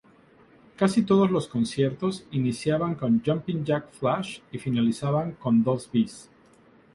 Casi todos los conciertos iniciaban con "Jumpin' Jack Flash" y finalizaban con dos bis.